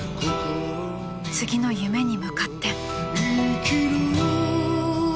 ［次の夢に向かって］